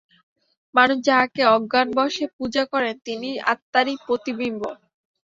মানুষ যাঁহাকে অজ্ঞানবশে পূজা করে, তিনি আত্মারই প্রতিবিম্ব।